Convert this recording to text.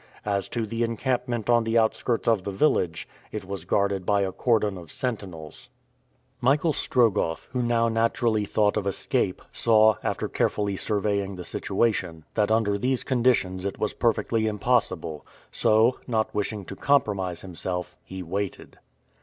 As to the encampment on the outskirts of the village, it was guarded by a cordon of sentinels. Michael Strogoff, who now naturally thought of escape, saw, after carefully surveying the situation, that under these conditions it was perfectly impossible; so, not wishing to compromise himself, he waited.